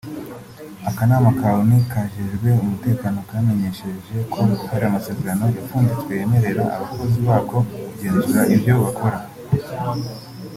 Akanama ka Onu kajejwe umutekano kamenyesheje ko hari amasezerano yapfunditswe yemerera abakozi bako kugenzura ivyo bikorwa